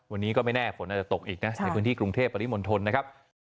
วันนี้ก็ไม่แน่ฝนอาจจะตกอีกนะในพื้นที่กรุงเทพปริมณฑลนะครับ